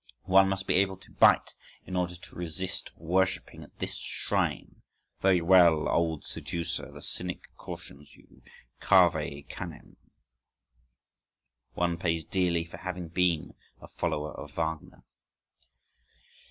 One must be able to bite in order to resist worshipping at this shrine. Very well, old seducer! The cynic cautions you—cave canem.… One pays dearly for having been a follower of Wagner.